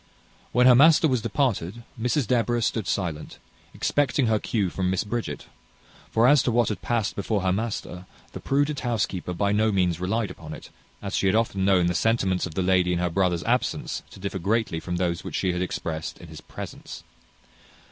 When her master was departed, Mrs Deborah stood silent, expecting her cue from Miss Bridget; for as to what had past before her master, the prudent housekeeper by no means relied upon it, as she had often known the sentiments of the lady in her brother's absence to differ greatly from those which she had expressed in his presence.